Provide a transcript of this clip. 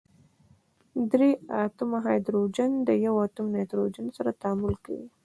درې اتومه هایدروجن د یوه اتوم نایتروجن سره تعامل کوي.